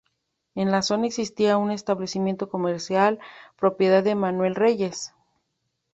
En la zona existía un establecimiento comercial propiedad de Manuel Reyes.